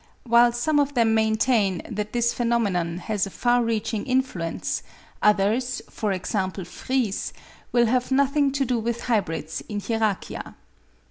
While some of them maintain that 364 Mendel's Experiments this phenomenon has a far reaching influence, others, for example, Fries, will have nothing to do with hybrids in Hieracia.